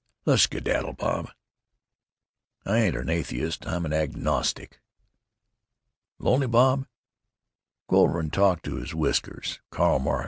"Let's skedaddle, Bob. "I ain't an atheist. I'm an agnostic. "Lonely, Bob? Go over and talk to his whiskers, Karl Marx.